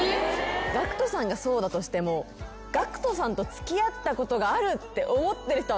ＧＡＣＫＴさんがそうだとしてもＧＡＣＫＴさんと付き合ったことがあるって思ってる人は。